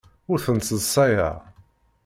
Ur tent-sseḍsayeɣ.